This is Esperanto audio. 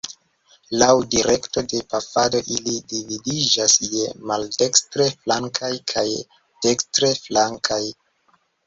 Laŭ direkto de pafado ili dividiĝas je maldekstre-flankaj kaj dekstre-flankaj.